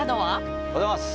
おはようございます。